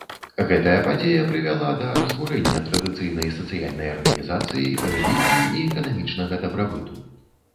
Гэтая падзея прывяла да разбурэння традыцыйнай сацыяльнай арганізацыі, рэлігіі і эканамічнага дабрабыту.